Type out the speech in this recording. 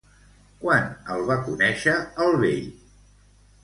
Quan el va conèixer el vell?